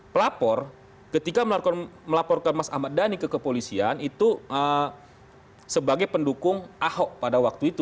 pelapor ketika melaporkan mas ahmad dhani ke kepolisian itu sebagai pendukung ahok pada waktu itu